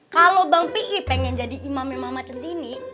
kalau bang ropi'i pengen jadi imam imam macen ini